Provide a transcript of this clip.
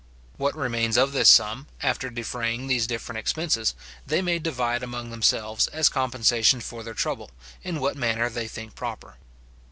What remains of this sum, after defraying these different expenses, they may divide among themselves, as compensation for their trouble, in what manner they think proper.